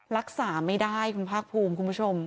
รักษาไม่ได้คุณภาคภูมิคุณผู้ชม